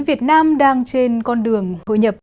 việt nam đang trên con đường hội nhập